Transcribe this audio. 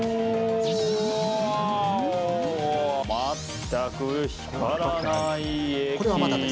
全く光らない液。